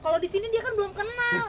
kalau di sini dia kan belum kenal